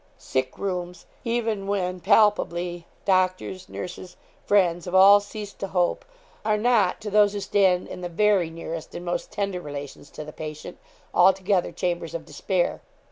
Sick rooms, even when, palpably, doctors, nurses, friends, have all ceased to hope, are not to those who stand in the very nearest and most tender relations to the patient, altogether chambers of despair.